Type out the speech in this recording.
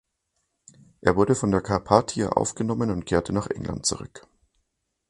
Er wurde von der "Carpathia" aufgenommen und kehrte nach England zurück.